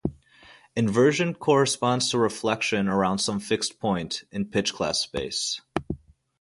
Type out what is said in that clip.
Inversion corresponds to reflection around some fixed point in pitch class space.